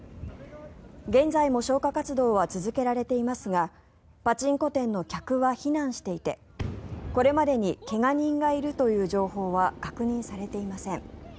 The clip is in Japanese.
現在も消火活動は続けられていますがパチンコ店の客は避難していてこれまでに怪我人がいるという情報は確認されていません。